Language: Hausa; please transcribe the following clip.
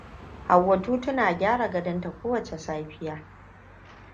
Hauwatutu na gyara gadonta kowace safiya.